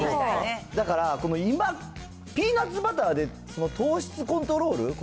だから、今、ピーナッツバターで糖質コントロール？